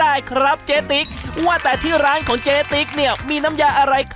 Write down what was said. ตายแล้วมึงไม่ต้องมีผ่วยหรอก